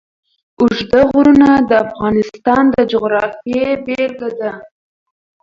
اوږده غرونه د افغانستان د جغرافیې بېلګه ده.